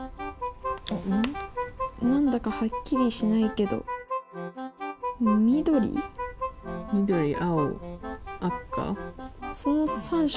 何だかはっきりしないけどその３色。